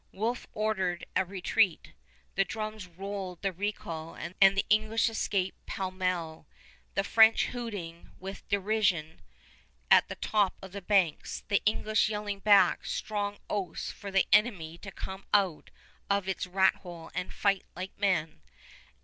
Wolfe ordered a retreat. The drums rolled the recall and the English escaped pellmell, the French hooting with derision at the top of the banks, the English yelling back strong oaths for the enemy to come out of its rat hole and fight like men.